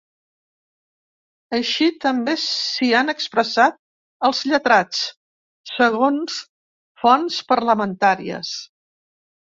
Així també s’hi han expressat els lletrats, segons fonts parlamentàries.